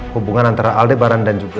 hubungan antara aldebaran dan juga